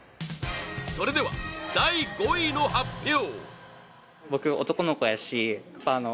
それでは第５位の発表